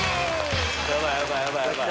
ヤバいヤバいヤバいヤバい！